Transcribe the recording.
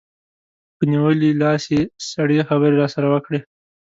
په نیولي لاس یې سړې خبرې راسره وکړې.